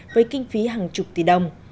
với kinh phí hàng chục tỷ đồng